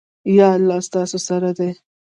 ایا الله ستاسو سره دی؟